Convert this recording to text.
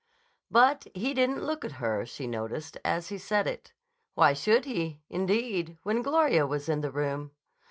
But he didn't look at her, she noticed, as he said it. Why should he, indeed, when Gloria was in the room?